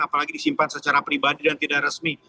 apalagi disimpan secara pribadi dan tidak resmi